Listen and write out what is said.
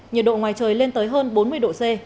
nhiệt độ ngoài trời lên tới hơn bốn mươi độ c